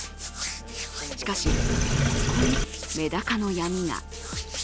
しかし、ここにメダカの闇が。